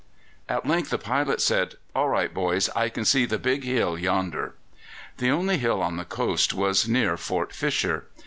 At length the pilot said: "All right, boys. I can see the big hill yonder." The only hill on the coast was near Fort Fisher.